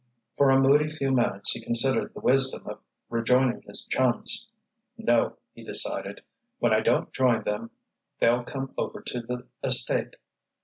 For a moody few minutes he considered the wisdom of rejoining his chums. "No," he decided. "When I don't join them they'll come over to the estate.